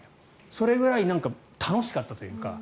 それぐらい楽しかったというか。